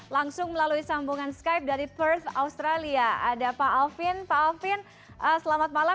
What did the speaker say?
langsung melalui sambungan skype dari perth australia ada pak alvin pak alvin selamat malam